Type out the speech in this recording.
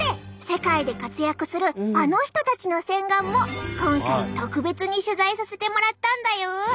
世界で活躍するあの人たちの洗顔も今回特別に取材させてもらったんだよ。